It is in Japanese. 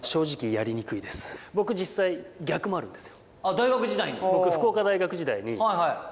大学時代に？